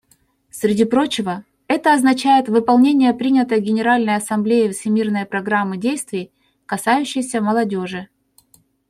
Среди прочего, это означает выполнение принятой Генеральной Ассамблеей Всемирной программы действий, касающейся молодежи.